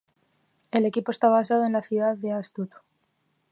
El equipo está basado en la ciudad de Asdod.